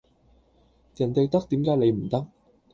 人哋得點解你唔得